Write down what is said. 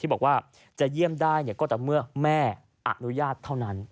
บอกว่าจะเยี่ยมได้ก็แต่เมื่อแม่อนุญาตเท่านั้น